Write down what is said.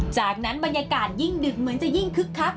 จากนั้นบรรยากาศยิ่งดึกเหมือนจะยิ่งคึกคัก